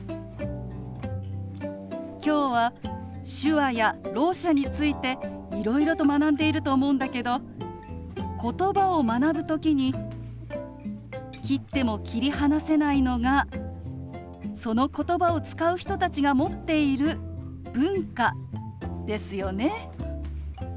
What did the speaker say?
今日は手話やろう者についていろいろと学んでいると思うんだけどことばを学ぶ時に切っても切り離せないのがそのことばを使う人たちが持っている文化ですよね。